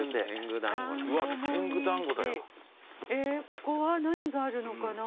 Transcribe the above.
ここは何があるのかな？